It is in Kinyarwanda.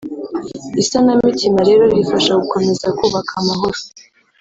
Isanamitima rero rifasha gukomeza kubaka amahoro